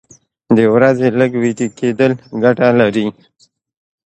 د ورځې لږ ویده کېدل ګټه لري.